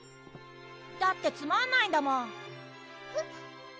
だってつまんないんだもんえっ？